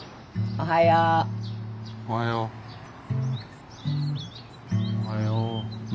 おはよう。何？